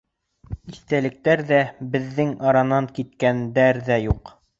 Иҫтәлектәр ҙә, беҙҙең аранан киткәндәр ҙә юҡ.